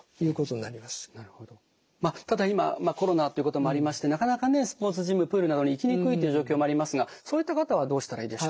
ただ今コロナということもありましてなかなかねスポーツジムプールなどに行きにくいという状況もありますがそういった方はどうしたらいいでしょう？